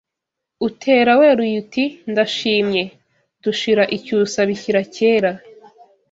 Utera weruye uti “ndashimye” Dushira icyusa bishyira kera